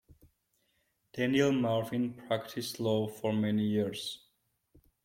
Daniel Marvin practiced law for many years.